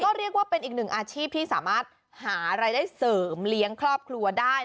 ก็เรียกว่าเป็นอีกหนึ่งอาชีพที่สามารถหารายได้เสริมเลี้ยงครอบครัวได้